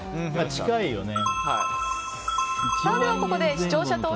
近いよね。